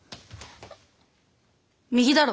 右だろ。